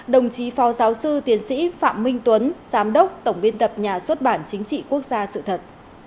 đồng chí phó giáo sư tiến sĩ phạm minh tuấn giám đốc tổng biên tập nhà xuất bản chính trị quốc gia sự thật